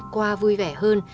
qua vui vẻ hơn